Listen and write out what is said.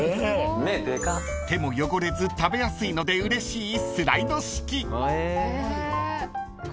［手も汚れず食べやすいのでうれしいスライド式］